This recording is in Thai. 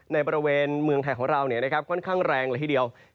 ในบริเวณเมืองไทยของเราเนี่ยนะครับค่อนข้างแรงละทีเดียว